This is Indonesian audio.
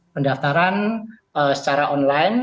pendaftaran secara online